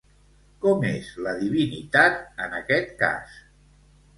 Com és la divinitat, en aquest cas?